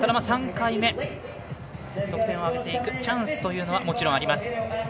３回目、得点を上げていくチャンスというのはもちろんあります。